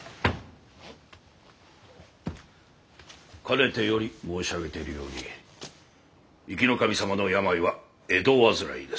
かねてより申し上げているように壱岐守様の病は江戸患いです。